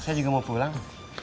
saya juga mau pulang